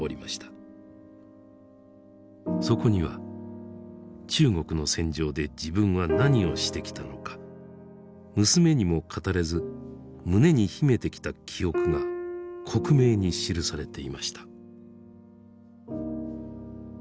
そこには中国の戦場で自分は何をしてきたのか娘にも語れず胸に秘めてきた記憶が克明に記されていました。